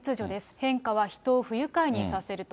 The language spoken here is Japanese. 変化は人を不愉快にさせると。